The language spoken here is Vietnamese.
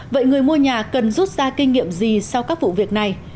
vậy người mua nhà cần rút ra kinh nghiệm gì sau các vụ việc này